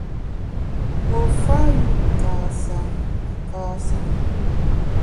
Pue fa yu kâsa ne kâsa.